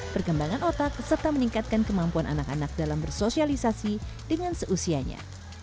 perkembangan otak serta meningkatkan kemampuan anak anak dalam bersosialisasi dengan seusianya